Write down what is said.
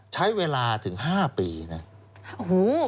ใช้เวลาถึง๕ปีเนี่ย